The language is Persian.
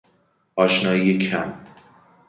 آشنایی کم